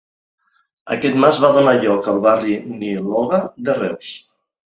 Aquest mas va donar lloc al Barri Niloga de Reus.